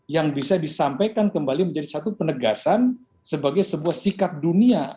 yang bisa disampaikan kembali menjadi satu penegasan sebagai sebuah sikap dunia